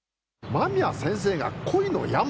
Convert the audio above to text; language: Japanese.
間宮先生が恋の病？